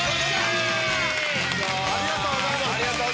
ありがとうございます。